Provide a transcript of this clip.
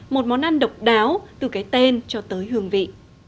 một món ăn độc đáo từ cái tên cho tới hương vị